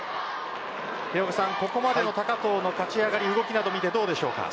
ここまでの高藤の立ち上がり動きなどを見てどうでしょうか。